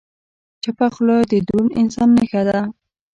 چپه خوله، د دروند انسان نښه ده.